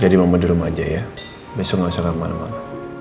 jadi mama di rumah aja ya besok gak usah kemana mana